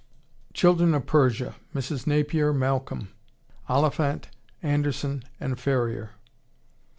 Children of Persia, Mrs. Napier Malcolm, (Oliphant, Anderson & Ferrier.)